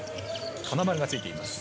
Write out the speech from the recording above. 金丸がついています。